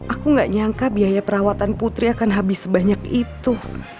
aku gak nyangka biaya perawatan putri akan habis sebanyak itu